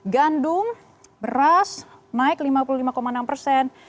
gandum beras naik lima puluh lima enam persen